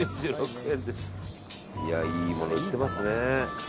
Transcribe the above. いいもの売ってますね。